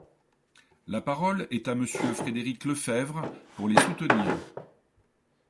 La parole est à Monsieur Frédéric Lefebvre, pour les soutenir.